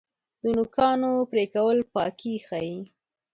د نوکانو پرې کول پاکي ښیي.